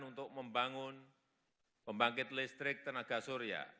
untuk membangun pembangkit listrik tenaga surya